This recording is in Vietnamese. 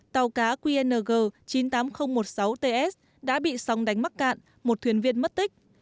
tàu cá qng chín mươi tám nghìn một mươi sáu ts đã bị sóng đánh mắc cạn một thuyền viên mất tích